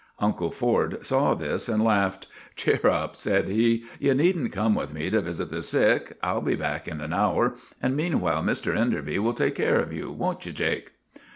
Uncle Ford saw this and laughed. " Cheer up !' said he. " You need n't come with me to visit the sick. I '11 be back in an hour, and meanwhile Mr. Enderby will take care of you; won't you, Jake